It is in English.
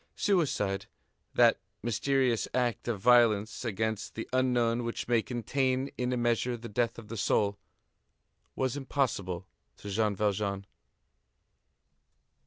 Suicide, that mysterious act of violence against the unknown which may contain, in a measure, the death of the soul, was impossible to Jean Valjean.